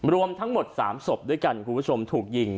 รวมทั้งหมด๓ศพด้วยกันคุณผู้ชมถูกยิง